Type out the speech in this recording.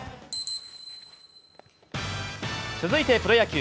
続いてプロ野球。